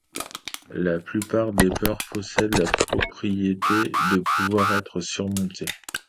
La plupart des peurs possèdent la propriété de pouvoir être surmontées.